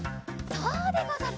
そうでござる！